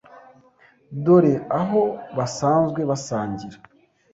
Dore aho basanzwe basangira.